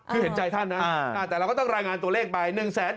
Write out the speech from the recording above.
คือเห็นใจท่านนะแต่เราก็ต้องรายงานตัวเลขไป